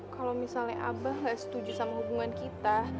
kalau misalnya aba nggak setuju sama hubungan kita